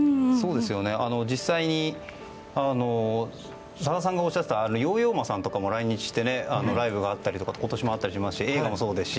実際にさださんがおっしゃったヨーヨー・マさんとかも来日してライブがあったり今年もあったりしますし映画もそうですし。